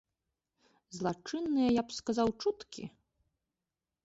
Злачынныя, я б сказаў, чуткі.